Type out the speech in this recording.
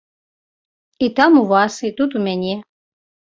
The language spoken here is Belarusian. І там у вас, і тут у мяне.